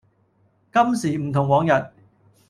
今時唔同往日